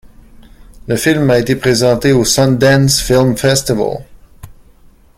Le film a été présenté au Sundance Film Festival.